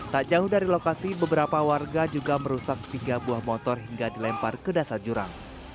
tak jauh dari lokasi beberapa warga juga merusak tiga buah motor hingga dilempar ke dasar jurang